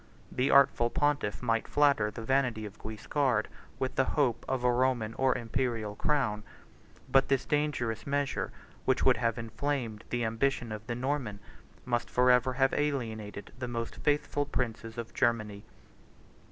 The artful pontiff might flatter the vanity of Guiscard with the hope of a Roman or Imperial crown; but this dangerous measure, which would have inflamed the ambition of the Norman, must forever have alienated the most faithful princes of Germany.